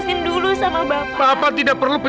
biarkan bapak pergi